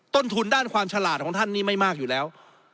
ต้นทุนด้านความฉลาดของท่านนี่ไม่มากอยู่แล้ว